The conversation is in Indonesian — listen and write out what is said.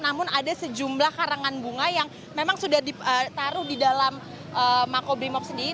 namun ada sejumlah karangan bunga yang memang sudah ditaruh di dalam makobrimob sendiri